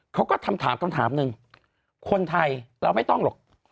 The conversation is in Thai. เขาก็ทำถามคนไทยเราไม่ต้องหรอก